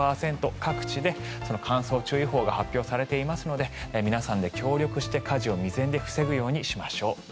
各地で乾燥注意報が発表されていますので皆さんで協力して火事を未然に防ぐようにしましょう。